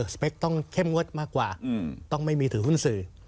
สเปคต้องเข้มงวดมากกว่าต้องไม่มีถือหุ้นสื่อ